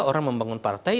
orang membangun partai